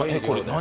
何？